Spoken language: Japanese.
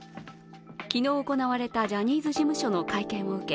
昨日行われたジャニーズ事務所の会見を受け